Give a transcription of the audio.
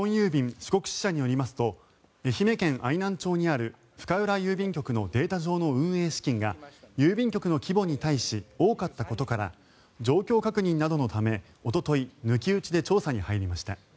四国支社によりますと愛媛県愛南町にある深浦郵便局のデータ上の運営資金が郵便局の規模に対し多かったことから状況確認などのため、おととい抜き打ちで調査に入りました。